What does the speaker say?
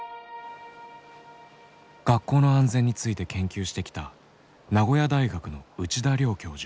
学校の安全について研究してきた名古屋大学の内田良教授。